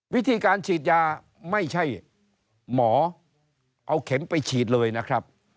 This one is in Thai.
วิธีการฉีดยาไม่ใช่หมอเอาเข็มไปฉีดเลยนะครับ